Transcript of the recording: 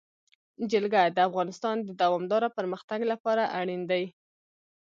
جلګه د افغانستان د دوامداره پرمختګ لپاره اړین دي.